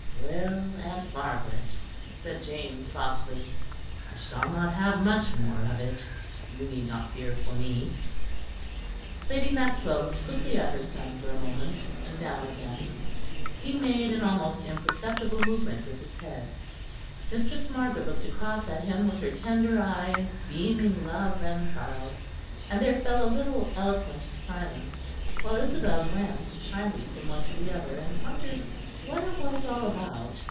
"Well, aunt Margaret," said James softly, "I shall not have much more of it. You need not fear for me." Lady Maxwell looked quickly at her son for a moment, and down again. He made an almost imperceptible movement with his head, Mistress Margaret looked across at him with her tender eyes beaming love and sorrow; and there fell a little eloquent silence; while Isabel glanced shyly from one to the other, and wondered what it was all about.